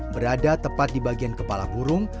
berada tepat di bagian kepala burung